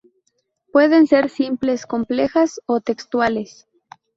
Pueden ser simples, complejas o textuales.